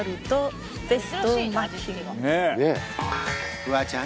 フワちゃん